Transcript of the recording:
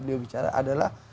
dia bicara adalah